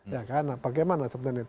ya kan bagaimana sebenarnya